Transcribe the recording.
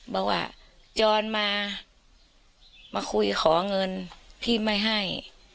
บอกว่าจรมามาคุยขอเงินพี่ไม่ให้